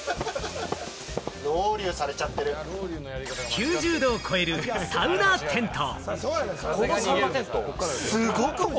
９０度を超えるサウナテント。